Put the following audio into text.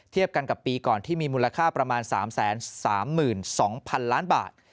เทียบกันกับปีก่อนที่มีมูลค่าประมาณ๓๓๒๐๐๐ล้านบาท